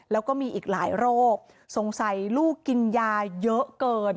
แล้วก็มีอีกหลายโรคสงสัยลูกกินยาเยอะเกิน